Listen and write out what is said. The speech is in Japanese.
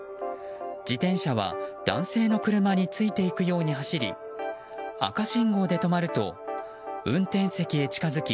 自転車は、男性の車についていくように走り赤信号で止まると運転席へ近づき